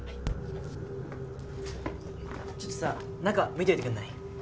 ちょっとさ中見ておいてくれない？